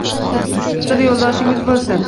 Xizr yoʻldoshingiz boʻlsin